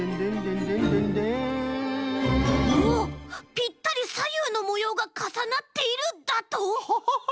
ぴったりさゆうのもようがかさなっているだと！？